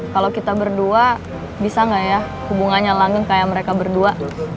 kalau kita berdua bisa nggak ya hubungannya langin kayak mereka berdua